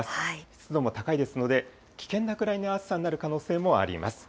湿度も高いですので、危険なくらいの暑さになる可能性もあります。